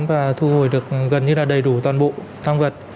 và thu hồi được gần như là đầy đủ toàn bộ thang vật